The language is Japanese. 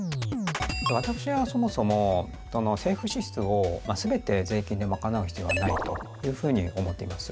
私はそもそも政府支出をすべて税金で賄う必要はないというふうに思っています。